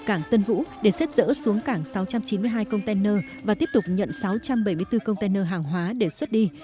cảng tân vũ để xếp dỡ xuống cảng sáu trăm chín mươi hai container và tiếp tục nhận sáu trăm bảy mươi bốn container hàng hóa để xuất đi